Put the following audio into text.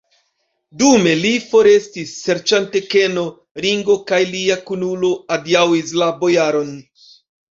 Dume li forestis, serĉante keno, Ringo kaj lia kunulo adiaŭis la bojaron.